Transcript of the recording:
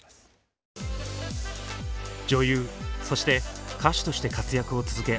女優そして歌手として活躍を続け